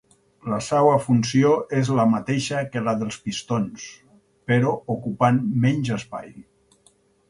La seva funció és la mateixa que la dels pistons, però ocupant menys espai.